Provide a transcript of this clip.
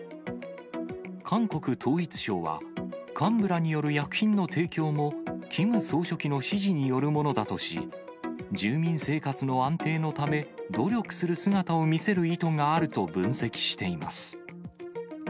韓国統一省は、幹部らによる薬品の提供もキム総書記の指示によるものだとし、住民生活の安定のため、努力する姿を見せる意図があると分析しています。